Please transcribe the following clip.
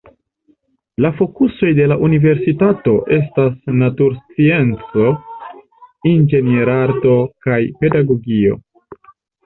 La fokusoj de la universitato estas naturscienco, inĝenierarto kaj pedagogio.